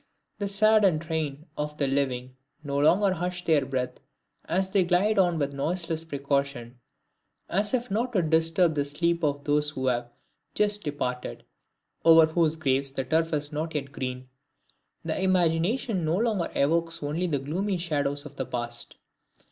The saddened train of the living no longer hush their breath as they glide on with noiseless precaution, as if not to disturb the sleep of those who have just departed, over whose graves the turf is not yet green; the imagination no longer evokes only the gloomy shadows of the past.